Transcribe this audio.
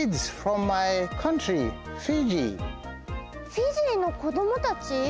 フィジーの子どもたち？